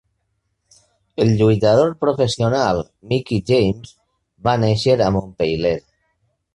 El lluitador professional Mickie James va néixer a Montpeiler.